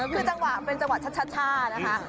คือจังหวะเป็นจังหวะชัดนะคะ